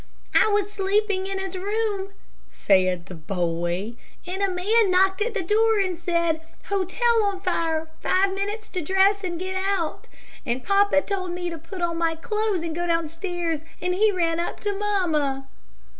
"I was sleeping in his room," said the boy, "and a man knocked at the door, and said, 'Hotel on fire. Five minutes to dress and get out,' and papa told me to put on my clothes and go downstairs, and he ran up to mamma."